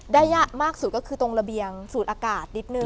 ยากมากสุดก็คือตรงระเบียงสูดอากาศนิดนึง